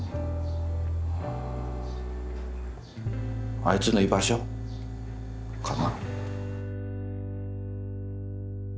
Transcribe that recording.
あいつの居場所かな。